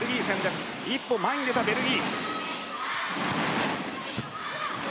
しかし一歩前に出たベルギー。